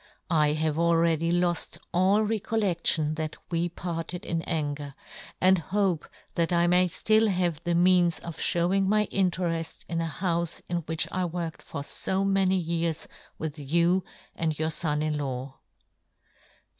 I have already loft all re ' colledlion that vv^e parted in anger, * and hope that I may ftill have the ' means of ftiowing my intereft in a ' houfe in w^hich I w^orked for fo ' many years w^ith you and your fon * in law."